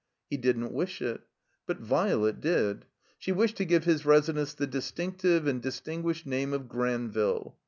He didn't wish it. But Violet did. She wished to give his residence the distinctive and distinguished name of Granville.